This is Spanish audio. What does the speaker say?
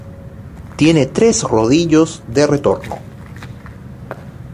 Tiene tres rodillos de retorno.